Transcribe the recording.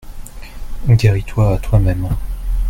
Guéris-toi toi-même.